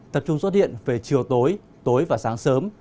tập trung xuất hiện về chiều tối tối và sáng sớm